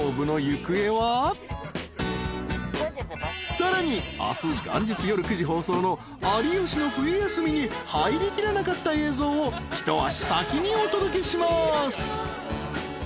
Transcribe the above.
［さらに明日元日夜９時放送の『有吉の冬休み』に入りきらなかった映像を一足先にお届けします］